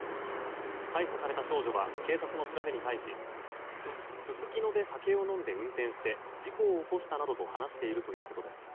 逮捕された少女は警察の調べに対しすすきので酒を飲んで運転して事故を起こしたなどと話しているということです。